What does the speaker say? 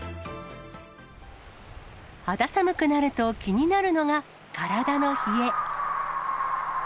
肌寒くなると気になるのが、体の冷え。